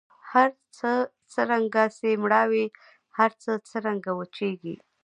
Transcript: هرڅه څرنګه سي مړاوي هر څه څرنګه وچیږي